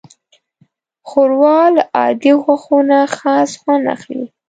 ښوروا له عادي غوښو نه خاص خوند اخلي.